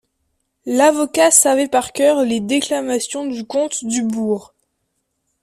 L'avocat savait par cœur les déclamations du comte Dubourg.